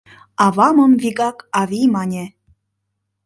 Авамым вигак «авий» мане.